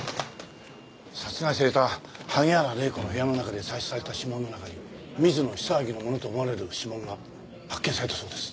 殺害された萩原礼子の部屋の中で採取された指紋の中に水野久明のものと思われる指紋が発見されたそうです。